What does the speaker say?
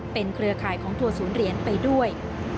เป็นเครือข่ายของทัวร์ศูนย์เหรียญไปด้วย